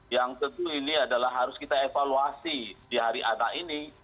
yang tentu ini adalah harus kita evaluasi di hari anak ini